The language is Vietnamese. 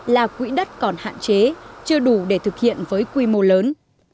là quỹ đất còn hạn chế chưa đủ để thực hiện với quy mô lớn